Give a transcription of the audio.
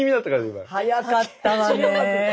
早かったわね。